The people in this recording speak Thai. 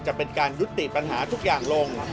จะเป็นการยุติปัญหาทุกอย่างลง